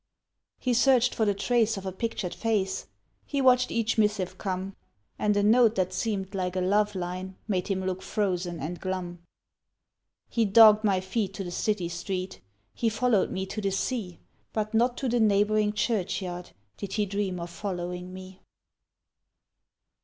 He searched for the trace of a pictured face, He watched each missive come, And a note that seemed like a love line Made him look frozen and glum. He dogged my feet to the city street, He followed me to the sea, But not to the neighbouring churchyard Did he dream of following me.